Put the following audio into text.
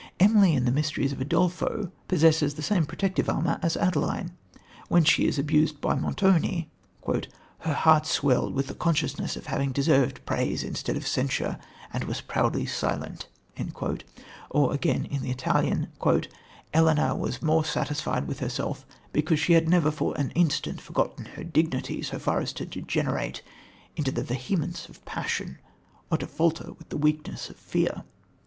Emily, in The Mysteries of Udolpho, possesses the same protective armour as Adeline. When she is abused by Montoni, "Her heart swelled with the consciousness of having deserved praise instead of censure, and was proudly silent"; or again, in The Italian, "Ellena was the more satisfied with herself because she had never for an instant forgotten her dignity so far as to degenerate into the vehemence of passion or to falter with the weakness of fear."